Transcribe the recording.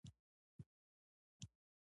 کوربه د زړه د سخاوت مثال وي.